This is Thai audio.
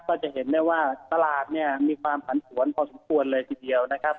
ก็จะเห็นได้ว่าตลาดเนี่ยมีความผันผวนพอสมควรเลยทีเดียวนะครับ